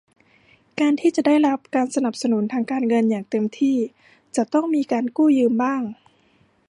การที่จะได้รับการสนับสนุนทางการเงินอย่างเต็มที่ จะต้องมีการกู้ยืมบ้าง